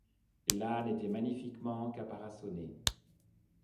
L'âne était magnifiquement caparaçonné.